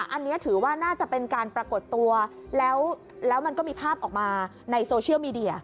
อันนี้ถือว่าน่าจะเป็นการปรากฏตัวแล้วมันก็มีภาพออกมาในโซเชียลมีเดีย